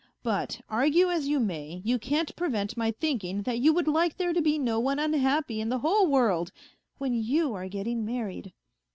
But argue as you may, you can't prevent my thinking that you would like there to be no one unhappy in the whole world when you are getting married.